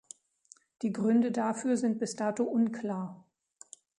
Die Gründe dafür sind bis dato unklar.